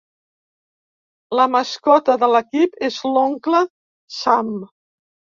La mascota de l'equip és l'oncle Sam.